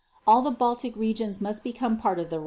. All the Baltic regions must become part of the Reich.